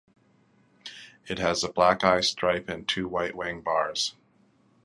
It has a black eye stripe and two white wing bars.